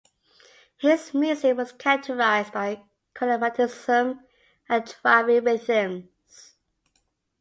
His music was characterized by chromaticism and driving rhythms.